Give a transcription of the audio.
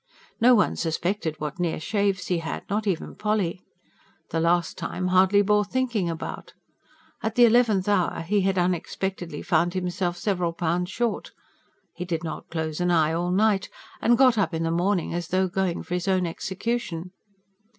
No one suspected what near shaves he had not even Polly. The last time hardly bore thinking about. At the eleventh hour he had unexpectedly found himself several pounds short. He did not close an eye all night, and got up in the morning as though for his own execution.